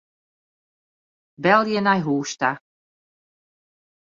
Belje nei hûs ta.